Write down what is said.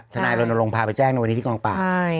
ชนายโรนโลงภาพไปแจ้งวันนี้ที่กองปาก